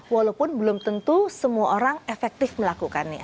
walaupun belum tentu semua orang efektif melakukannya